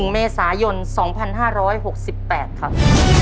๑เมษายน๒๕๖๘ครับ